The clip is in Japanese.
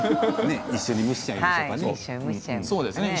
一緒に蒸しちゃいますかね。